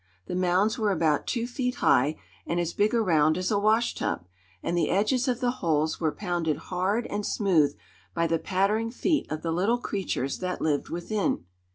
The mounds were about two feet high and as big around as a wash tub, and the edges of the holes were pounded hard and smooth by the pattering feet of the little creatures that lived within.